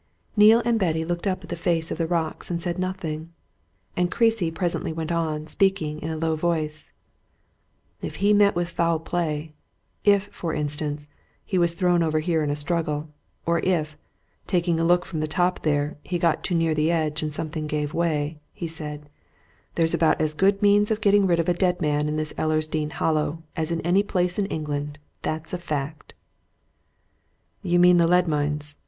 Neale and Betty looked up the face of the rocks and said nothing. And Creasy presently went on, speaking in a low voice: "If he met with foul play if, for instance, he was thrown over here in a struggle or if, taking a look from the top there, he got too near the edge and something gave way," he said, "there's about as good means of getting rid of a dead man in this Ellersdeane Hollow as in any place in England! That's a fact!" "You mean the lead mines?"